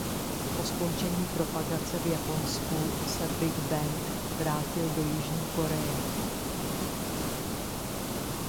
Po skončení propagace v Japonsku se Big Bang vrátili do Jižní Koreje.